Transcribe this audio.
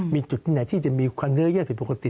มีจุดที่ไหนที่จะมีความเนื้อเยอะผิดปกติ